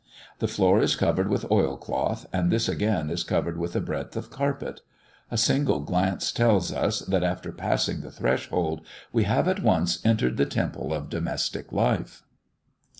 The floor is covered with oil cloth, and this again is covered with a breadth of carpet. A single glance tells us, that after passing the threshold, we have at once entered the temple of domestic life.